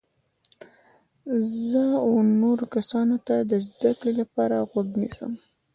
زه و نورو کسانو ته د زده کړي لپاره غوږ نیسم.